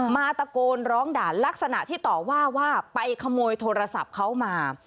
ตะโกนร้องด่านลักษณะที่ต่อว่าว่าไปขโมยโทรศัพท์เขามา